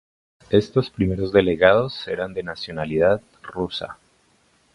Estos primeros delegados eran de nacionalidad Rusa.